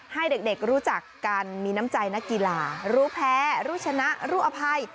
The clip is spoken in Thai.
ให้เด็กรู้จักกันมีน้ำใจนักกีฬารู้แพ้รู้ชนะรู้อภัย